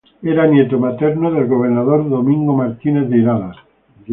Era nieto materno del gobernador Domingo Martínez de Irala.